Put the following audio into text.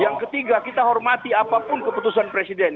yang ketiga kita hormati apapun keputusan presiden